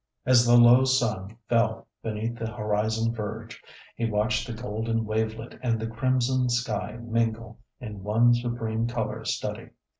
As the low sun fell beneath the horizon verge, he watched the golden wavelet and the crimson sky mingle in one supreme colour study.